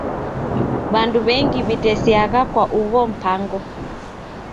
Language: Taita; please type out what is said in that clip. W'andu w'engi w'itesekiagha kwa ugho mpango.